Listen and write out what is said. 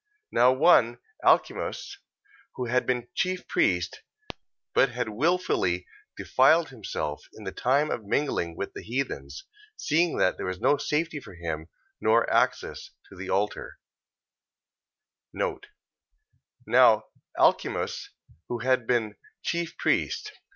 Now one Alcimus, who had been chief priest, but had wilfully defiled himself in the time of mingling with the heathens, seeing that there was no safety for him, nor access to the altar, Now Alcimus, who had been chief priest...